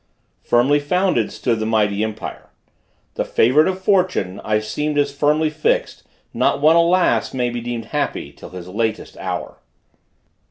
firmly founded, stood The mighty empire; the favorite of fortune, I seemed as firmly fixed; not one, alas! May be deemed happy 'till his latest hour.